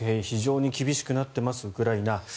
非常に厳しくなっていますウクライナ。